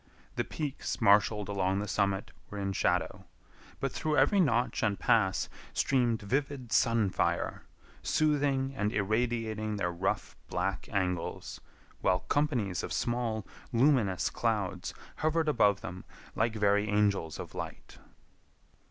The peaks marshaled along the summit were in shadow, but through every notch and pass streamed vivid sun fire, soothing and irradiating their rough, black angles, while companies of small, luminous clouds hovered above them like very angels of light.